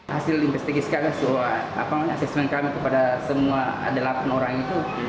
hasil investigasi kami semua asesmen kami kepada semua delapan orang itu